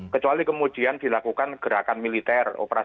kecuali kemudian dilakukan gerakan militer